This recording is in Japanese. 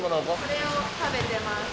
これを食べてます。